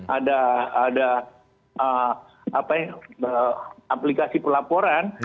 ada aplikasi pelaporan